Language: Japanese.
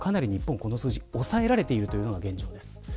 この数字が抑えられているのが現状です。